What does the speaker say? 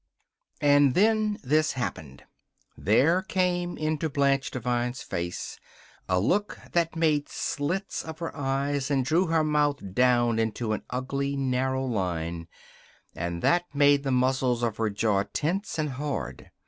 And then this happened! There came into Blanche Devine's face a look that made slits of her eyes, and drew her mouth down into an ugly, narrow line, and that made the muscles of her jaw tense and hard.